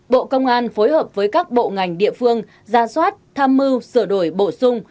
bộ công an phối hợp với các bộ ngành địa phương ra soát tham mưu sửa đổi bổ sung